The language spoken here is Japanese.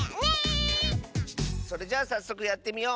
それじゃあさっそくやってみよう！